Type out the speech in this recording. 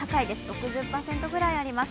６０％ぐらいあります。